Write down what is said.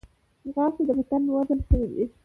ځغاسته د بدن وزن کموي